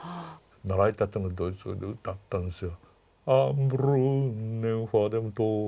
習いたてのドイツ語で歌ったんですよ。